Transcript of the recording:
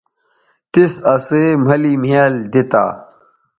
تِس اسئ مھلِ مھیال دی تا